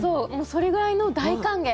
それぐらいの大歓迎